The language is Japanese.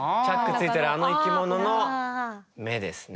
付いてるあの生き物の目ですね。